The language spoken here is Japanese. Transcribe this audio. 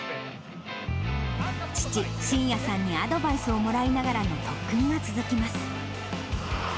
父、慎弥さんにアドバイスをもらいながらの特訓が続きます。